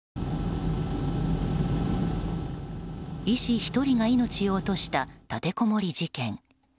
医師１人が命を落とした立てこもり事件。